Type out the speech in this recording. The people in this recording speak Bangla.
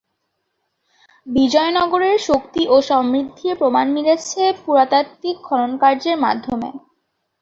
বিজয়নগরের শক্তি ও সমৃদ্ধির প্রমাণ মিলেছে পুরাতাত্ত্বিক খননকার্যের মাধ্যমে।